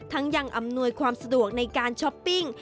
ยังอำนวยความสะดวกในการช้อปปิ้ง